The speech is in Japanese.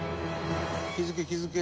「気付け気付け！」